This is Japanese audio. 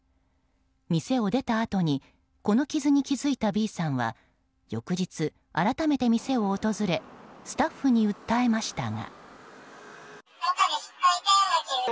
店を出たあとにこの傷に気づいたＢさんは翌日、改めて店を訪れスタッフに訴えましたが。